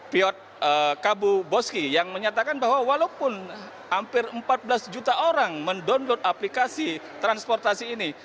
piot kabuboski yang menyatakan bahwa walaupun hampir empat belas juta orang mendownload aplikasi transportasi ini